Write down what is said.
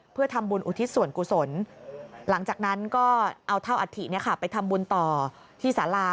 เพื่อทำบุญอุทิศส่วนกุศลหลังจากนั้นก็เอาเท่าอัฐิไปทำบุญต่อที่สารา